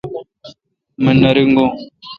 مہ نہ رنگو۔